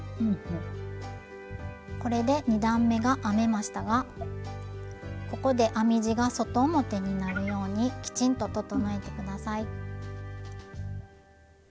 これで２段めが編めましたがここで編み地が外表になるようにきちんと整えて下さい。